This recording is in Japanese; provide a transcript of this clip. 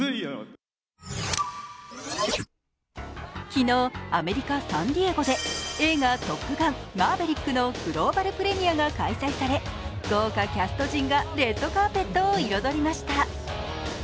昨日、アメリカ・サンディエゴで映画「トップガンマーヴェリック」のグローバルプレミアが開催され豪華キャスト陣がレッドカーペットを彩りました。